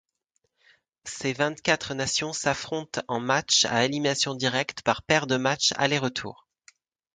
Ces vingt-quatre nations s'affrontent en matchs à élimination directe par paire de matchs aller-retour.